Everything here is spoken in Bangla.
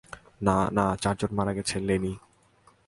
না, না, চারজন মারা গেছে, লেনি।